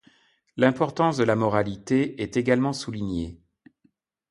L’importance de la moralité est également soulignée.